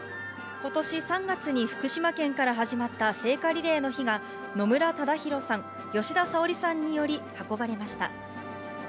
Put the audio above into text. ことし３月に福島県から始まった聖火リレーの火が、野村忠宏さん、吉田沙保里さんにより運ばれました。